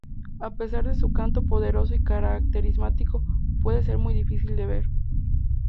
A pesar de su canto poderoso y característico puede ser muy difícil de ver.